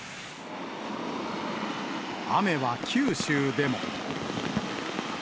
雨は九州でも。